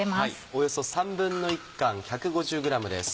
およそ１／３缶１５０ｇです。